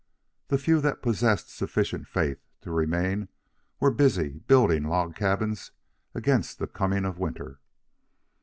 The few that possessed sufficient faith to remain were busy building log cabins against the coming of winter.